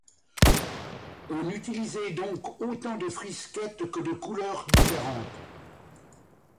On utilisait donc autant de frisquettes que de couleurs différentes.